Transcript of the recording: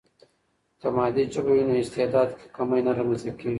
که مادي ژبه وي، نو استعداد کې کمی نه رامنځته کیږي.